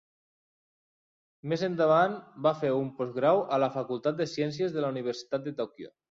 Més endavant, va fer un postgrau a la facultat de ciències de la universitat de Tòquio.